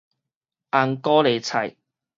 紅高麗菜